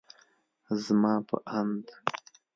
زما په اند